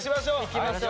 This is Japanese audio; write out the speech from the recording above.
いきましょう。